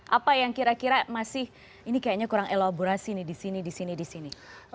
apa yang kira kira masih ini kayaknya kurang elaborasi nih di sini di sini di sini